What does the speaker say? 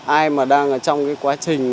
ai mà đang ở trong cái quá trình